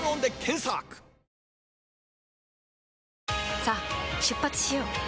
さあ出発しよう。